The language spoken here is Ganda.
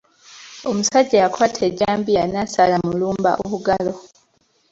Omusajja yakwata ejjambiya n'asala Mulumba obulago.